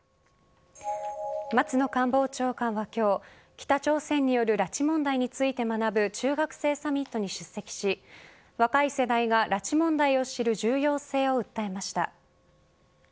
松野官房長官は今日北朝鮮による拉致問題について学ぶ中学生サミットに出席し若い世代が拉致問題を知る重要性を訴えました。